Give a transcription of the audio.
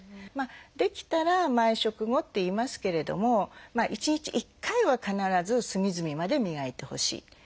できたら毎食後っていいますけれども１日１回は必ず隅々まで磨いてほしい。